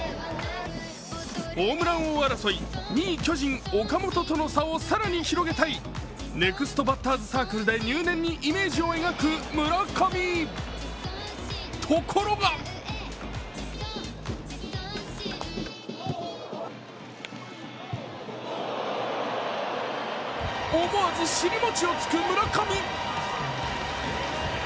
ホームラン王争い、２位、巨人・岡本との差を更に広げたい、ネクストバッターズサークルで入念にイメージを磨く村上ところが、思わず尻もちをつく村上。